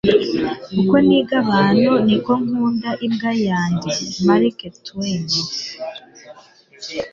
uko niga abantu, niko nkunda imbwa yanjye - mark twain